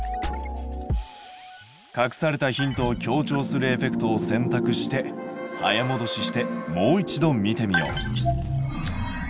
隠されたヒントを強調するエフェクトを選択して早もどししてもう一度見てみよう。